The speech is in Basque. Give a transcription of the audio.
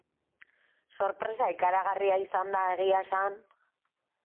Sorpresa ikaragarria izan da, egia esan.